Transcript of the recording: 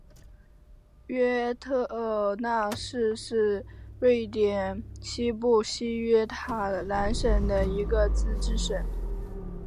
约特讷市是瑞典西部西约塔兰省的一个自治市。